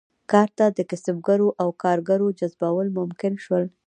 کار ته د کسبګرو او کارګرو جذبول ممکن شول.